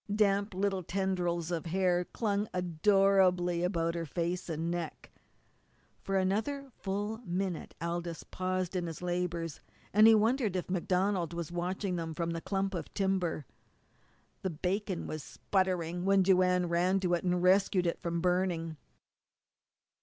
Damp little tendrils of hair clung adorably about her face and neck. For another full minute Aldous paused in his labours, and he wondered if MacDonald was watching them from the clump of timber. The bacon was sputtering when Joanne ran to it and rescued it from burning.